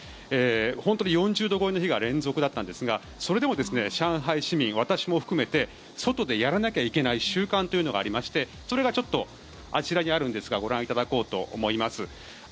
本当に４０度超えの日が連続だったんですがそれでも上海市民、私も含めて外でやらなきゃいけない習慣というのがありましてそれがあちらにあるんですがご覧いただこうと思います。